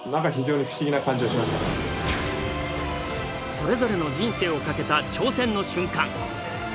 それぞれの人生をかけた挑戦の瞬間。